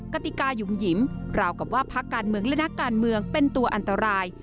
กติกายุ่มหยิมราวกับว่าพักการเมืองและนักการเมืองเป็นตัวอันตราย